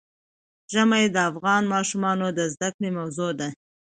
ژمی د افغان ماشومانو د زده کړې موضوع ده.